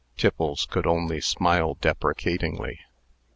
Tiffles could only smile deprecatingly.